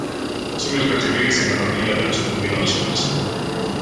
Es un especialista en la familia de las leguminosas.